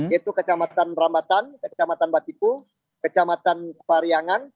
yaitu kecamatan rambatan kecamatan batipu kecamatan pariangan